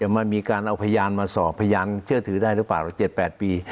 มันมีการเอาพยานมาสอบพยานเชื่อถือได้หรือเปล่า๗๘ปี